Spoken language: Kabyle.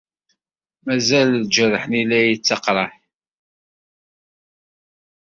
Mazal ljerḥ-nni la iyi-yettaqraḥ.